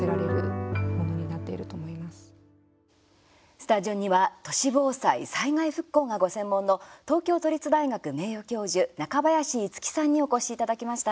スタジオには都市防災・災害復興がご専門の東京都立大学名誉教授中林一樹さんにお越しいただきました。